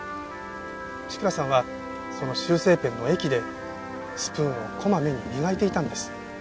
志倉さんはその修正ペンの液でスプーンをこまめに磨いていたんです。